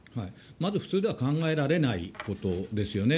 まず普通では考えられないことですよね。